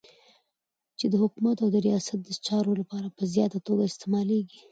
چی د حکومت او د ریاست دچارو لپاره په زیاته توګه استعمالیږی